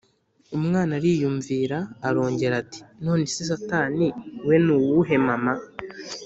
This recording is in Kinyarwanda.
Umwana ariyumviira, arongera ati:” Nonese satani we ni uwuhe mama?”